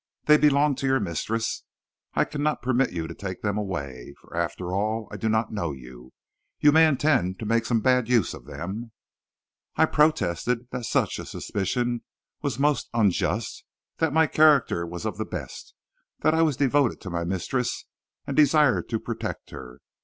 They belong to your mistress. I cannot permit that you take them away, for, after all, I do not know you. You may intend to make some bad use of them.' "I protested that such a suspicion was most unjust, that my character was of the best, that I was devoted to my mistress and desired to protect her.